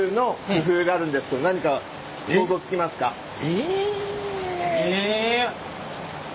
え？